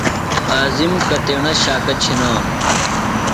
اعظم کتیݨہ شاکہ چِھنانُوۡ؟